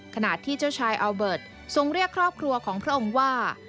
ขณะที่เจ้าชายอัลเบิร์ตทรงเรียกครอบครัวของพระองค์ว่า